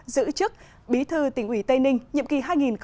giữ chức bí thư tỉnh ủy tây ninh nhiệm kỳ hai nghìn một mươi năm hai nghìn hai mươi